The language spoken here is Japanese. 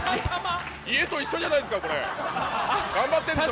家と一緒じゃないないですか、頑張ってるんですよ。